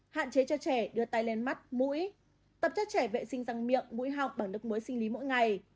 hạn chế cho trẻ đưa tay lên mắt mũi tập cho trẻ vệ sinh răng miệng mũi học bằng nước mối sinh lý mỗi ngày